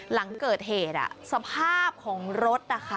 หลังเกิดเหตุสภาพของรถนะคะ